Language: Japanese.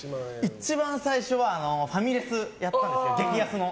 一番最初はファミレスやったんですけど激安の。